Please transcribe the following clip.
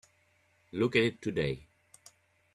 Look at it today.